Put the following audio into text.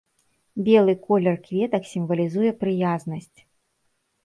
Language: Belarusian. Белы колер кветак сімвалізуе прыязнасць.